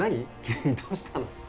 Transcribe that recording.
急にどうしたの？